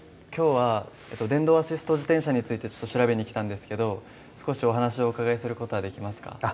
今日は電動アシスト自転車について調べに来たんですけど少しお話をお伺いする事はできますか？